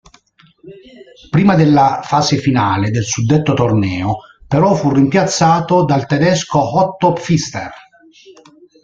Prima della fase finale del suddetto torneo, però, fu rimpiazzato dal tedesco Otto Pfister.